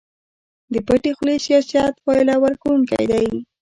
د پټې خولې سياست پايله ورکوونکی دی.